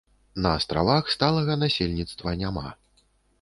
На астравах сталага насельніцтва няма.